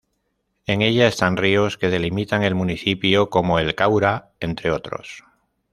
En ella están ríos que delimitan al municipio como el Caura, entre otros.